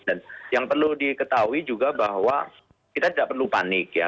dan yang perlu diketahui juga bahwa kita tidak perlu panik ya